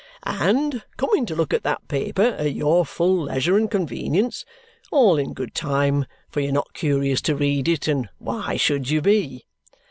"And coming to look at that paper at your full leisure and convenience all in good time, for you're not curious to read it, and why should you be?